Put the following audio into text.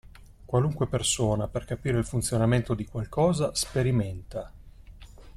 Qualunque persona, per capire il funzionamento di qualcosa, sperimenta.